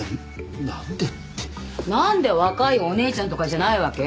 何で若いお姉ちゃんとかじゃないわけ？